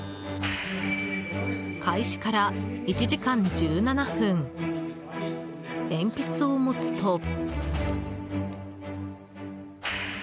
開始から１時間１７分鉛筆を持つと。